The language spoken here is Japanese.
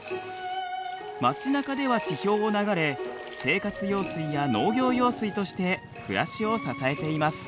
街なかでは地表を流れ生活用水や農業用水として暮らしを支えています。